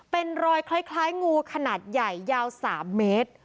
เป็นรอยคล้ายงูขนาดใหญ่ยาว๓เมตร